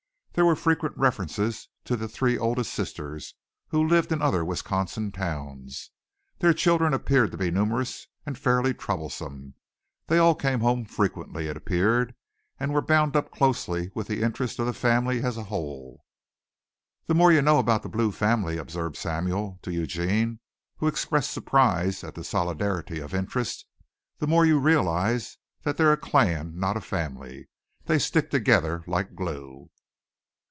There were frequent references to the three oldest sisters, who lived in other Wisconsin towns. Their children appeared to be numerous and fairly troublesome. They all came home frequently, it appeared, and were bound up closely with the interests of the family as a whole. "The more you know about the Blue family," observed Samuel to Eugene, who expressed surprise at the solidarity of interest, "the more you realize that they're a clan not a family. They stick together like glue."